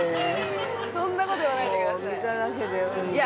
◆そんなこと言わないでください。